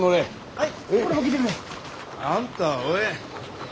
はい。